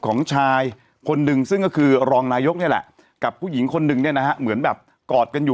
ก็เหมือนจากลักษณะเหมือนแบบอ่า